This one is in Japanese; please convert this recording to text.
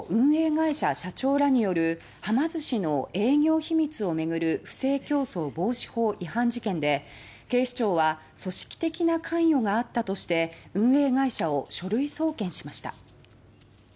会社社長らによるはま寿司の営業秘密を巡る不正競争防止法違反事件で警視庁は組織的な関与があったとして運営会社を書類送検しました。